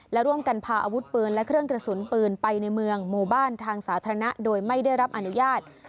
และร่วมกันพาอาวุธปืนและเครื่องกระสุนปืนไปในเมืองหมู่บ้านทางสาธารณะโดยไม่ได้รับอนุญาต